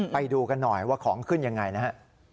ไปดูกันหน่อยว่าของขึ้นยังไงนะฮะ